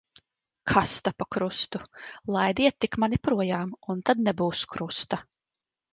Kas ta par krustu. Laidiet tik mani projām, un tad nebūs krusta.